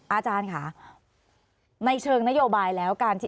อาจารย์ค่ะในเชิงนโยบายแล้วการที่